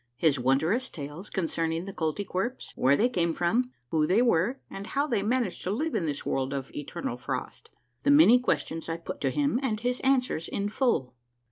— HIS WONDUOUS TALES CONCERNING THE KOLTY KWERPS : WHERE THEY CAME FROM, WHQ THEY WERE, AND HOW THEY MANAGED TO LIVE IN THIS WORLD OF ETER NAL FROST. — THE MANY QUESTIONS I PUT TO HIM, AND HIS ANSWERS IN FULL.